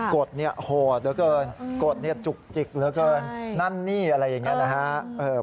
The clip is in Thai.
กฎโหดหรือก็กฎจุกจิกหรือก็นั่นนี่อะไรอย่างนี้นะครับ